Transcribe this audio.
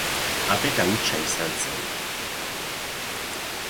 Apeta hutsa izan zen.